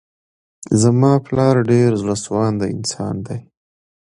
زما پلار ډير زړه سوانده انسان دی.